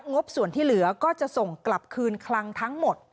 บส่วนที่เหลือก็จะส่งกลับคืนคลังทั้งหมด